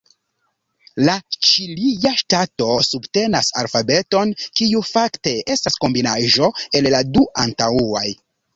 La Ĉilia Ŝtato subtenas alfabeton kiu fakte estas kombinaĵo el la du antaŭaj.